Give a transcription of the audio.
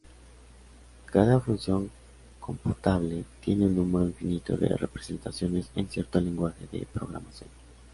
Cada función computable tiene un número infinito de representaciones en cierto lenguaje de programación.